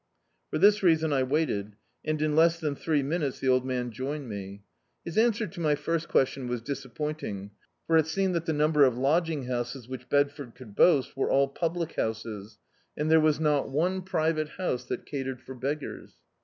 For this reason I waited, and, in less than three minutes, the old man joined me. His answer to my first question was disappointing, for it seemed that the number of lodging houses which Bedford could boast were all public houses, and there was not one private house that catered for beggars.